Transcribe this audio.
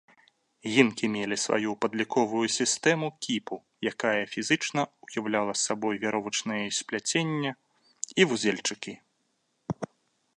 Інкі мелі сваю падліковую сістэму кіпу, якая фізічна ўяўляла сабой вяровачныя спляцення і вузельчыкі.